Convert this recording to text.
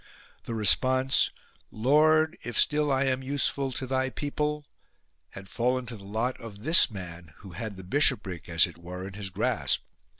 The response : Lord, if still I am useful to Thy people, had fallen to the lot of this man, who had the bishopric, as it were, in his grasp.